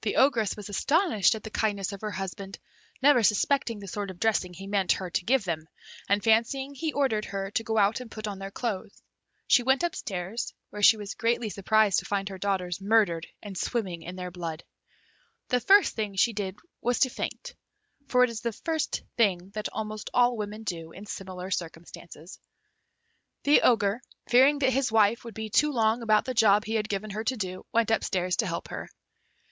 The Ogress was astonished at the kindness of her husband, never suspecting the sort of dressing he meant her to give them, and fancying he ordered her to go and put on their clothes; she went up stairs, where she was greatly surprised to find her daughters murdered and swimming in their blood. The first thing she did was to faint (for it is the first thing that almost all women do in similar circumstances). The Ogre, fearing that his wife would be too long about the job he had given her to do, went upstairs to help her.